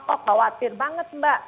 oh khawatir banget mbak